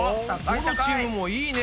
どのチームもいいね。